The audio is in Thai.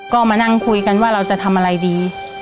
ก็มานั่งคุยกันว่าเราจะทำอะไรดี